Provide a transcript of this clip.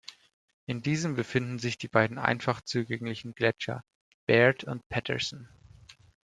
In diesem befinden sich die beiden einfach zugänglichen Gletscher Baird und Patterson.